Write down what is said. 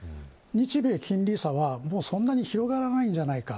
日米金利差は、そんなに広がらないんじゃないか。